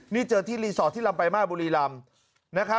นี่เจอที่รีสอร์ทที่ลำปายมาสบุรีลำ